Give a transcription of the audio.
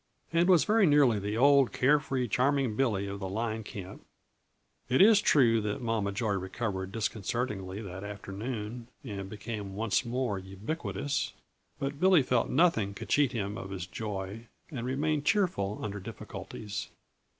and was very nearly the old, care free Charming Billy of the line camp. It is true that Mama Joy recovered disconcertingly that afternoon, and became once more ubiquitous, but Billy felt that nothing could cheat him of his joy, and remained cheerful under difficulties.